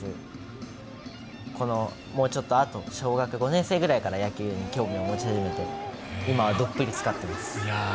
もうちょっとあと、小学５年生ぐらいから野球に興味を持ち始めて、今はどっぷり使っています。